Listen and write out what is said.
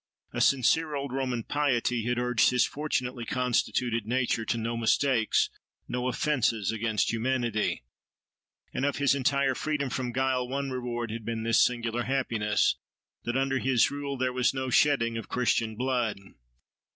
A sincere old Roman piety had urged his fortunately constituted nature to no mistakes, no offences against humanity. And of his entire freedom from guile one reward had been this singular happiness, that under his rule there was no shedding of Christian blood.